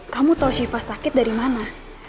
kamu tahu shiva sakit dari mana